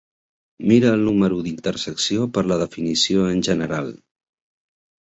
Mira el número d'intersecció per la definició en general.